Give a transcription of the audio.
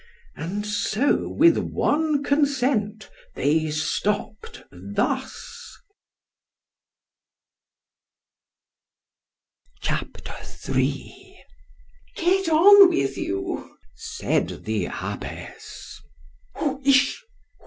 —— And so with one consent they stopp'd thus—— C H A P. III ——Get on with you, said the abbess.